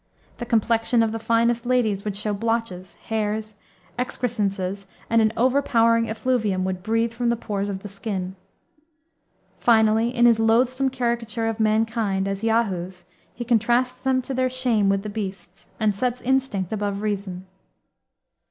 The complexion of the finest ladies would show blotches, hairs, excrescences, and an overpowering effluvium would breathe from the pores of the skin. Finally, in his loathsome caricature of mankind, as Yahoos, he contrasts them to their shame with the beasts, and sets instinct above reason.